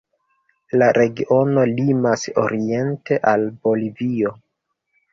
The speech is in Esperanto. La regiono limas oriente al Bolivio.